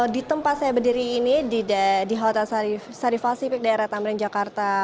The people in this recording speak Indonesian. di tempat saya berdiri ini di halta sarifasi di daerah tambing jakarta